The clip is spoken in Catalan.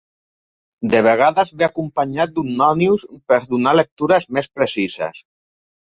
De vegades ve acompanyat d'un nònius per donar lectures més precises.